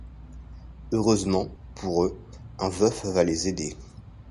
Heureusement, pour eux, un veuf va les aider.